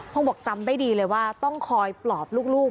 บอกจำได้ดีเลยว่าต้องคอยปลอบลูก